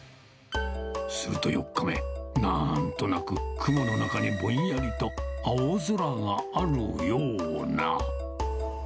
すると４日目、なんとなく雲の中にぼんやりと青空があるような。